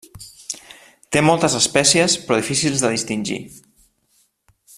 Té moltes espècies però difícils de distingir.